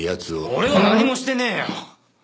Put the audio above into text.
俺は何もしてねえよ。